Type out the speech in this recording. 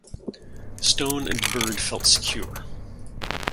Stone and Bird felt secure.